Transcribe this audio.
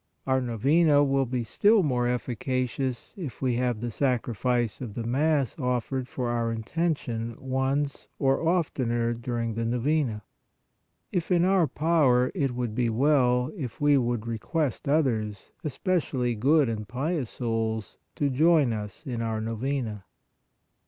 Our Novena will be still more efficacious, if we have the Sacrifice of the Mass offered for our in tention once or oftener during the Novena. If in our power, it would be well, if we would request others, especially good and pious souls, to join us in our Novena.